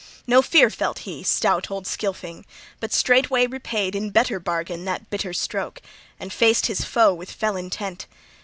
No fear felt he, stout old Scylfing, but straightway repaid in better bargain that bitter stroke and faced his foe with fell intent.